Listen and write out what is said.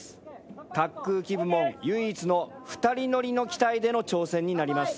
滑空機部門唯一の２人乗りの機体での挑戦になります。